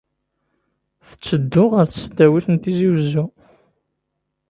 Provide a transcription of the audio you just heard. Tetteddu ɣer Tesdawit n Tizi Wezzu.